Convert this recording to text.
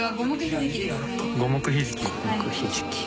五目ひじき？